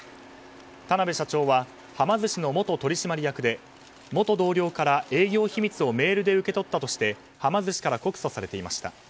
田邊社長ははま寿司の元取締役で元同僚から営業秘密をメールで受け取ったとしてはま寿司から告訴されていました。